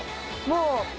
もう。